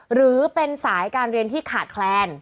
หรือเป็นสายการเรียนที่ขาดแคลน